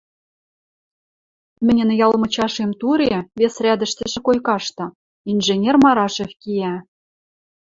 Мӹньӹн ял мычашем туре, вес рӓдӹштӹшӹ койкашты, инженер Марашев киӓ.